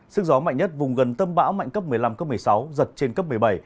sức gió mạnh nhất vùng gần tâm bão mạnh cấp một mươi năm cấp một mươi sáu giật trên cấp một mươi bảy